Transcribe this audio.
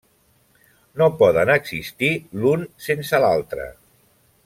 No poden existir l'un sense l'altre.